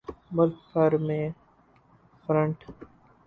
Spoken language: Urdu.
ملک بھر میں فرنٹ